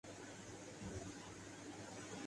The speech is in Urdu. اس میں اچنبھے کی کوئی بات نہیں سوال جواز کا ہے۔